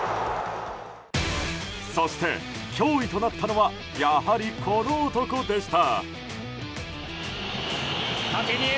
そして、脅威となったのはやはり、この男でした。